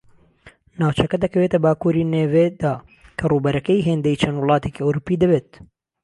ناوچەکە دەکەوێتە باکوری نێڤێدا کە ڕووبەرەکەی ھێندەی چەند وڵاتێکی ئەوروپی دەبێت